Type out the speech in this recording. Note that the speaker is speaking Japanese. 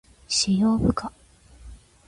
使用不可。